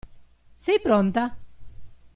Sei pronta?